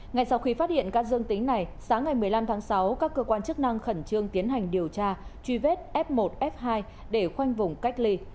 ngay sau khi phát hiện các dương tính này sáng ngày một mươi năm tháng sáu các cơ quan chức năng khẩn trương tiến hành điều tra truy vết f một f hai để khoanh vùng cách ly